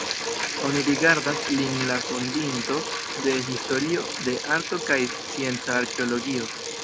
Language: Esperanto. Oni rigardas lin la fondinto de historio de arto kaj scienca arkeologio.